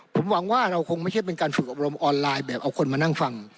ผมหวังว่าเราคงไม่ใช่เป็นการฝึกอบรมออนไลน์แบบเอาคนมานั่งฟัง